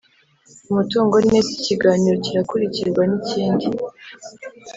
umutungo neza, iki kiganiro kirakurikirwa nikindi